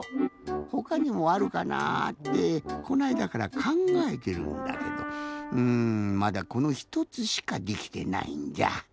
ほかにもあるかなってこのあいだからかんがえてるんだけどうんまだこの１つしかできてないんじゃ。